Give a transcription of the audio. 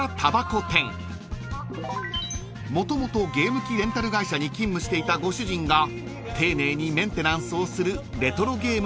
［もともとゲーム機レンタル会社に勤務していたご主人が丁寧にメンテナンスをするレトロゲームの数々］